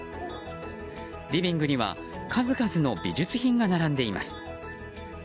リビングには数々の美術品が並んでいます。